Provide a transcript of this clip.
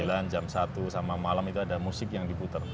jam sembilan jam satu sama malam itu ada musik yang diputar